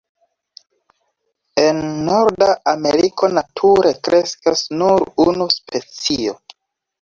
En Norda Ameriko nature kreskas nur unu specio.